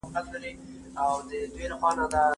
ولي محنتي ځوان د مخکښ سړي په پرتله لوړ مقام نیسي؟